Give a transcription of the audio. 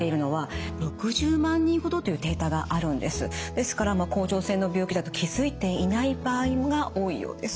ですから甲状腺の病気だと気付いていない場合が多いようです。